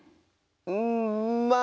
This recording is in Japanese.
うんまあ